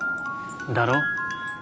だろ？